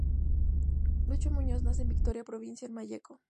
Lucho Muñoz nace en Victoria, provincia de Malleco.